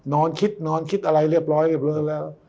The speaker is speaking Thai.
นอนคิดนอนคิดอะไรเรียบร้อยเรียบร้อยแล้ว